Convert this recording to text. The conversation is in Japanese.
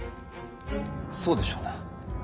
そうでしょうな。